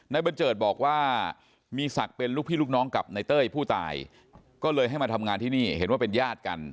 บันเจิดบอกว่ามีศักดิ์เป็นลูกพี่ลูกน้องกับในเต้ยผู้ตายก็เลยให้มาทำงานที่นี่เห็นว่าเป็นญาติกัน